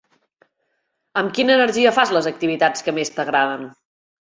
Amb quina energia fas les activitats que més t'agraden?